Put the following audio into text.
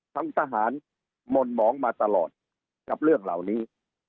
ทหารหม่นหมองมาตลอดกับเรื่องเหล่านี้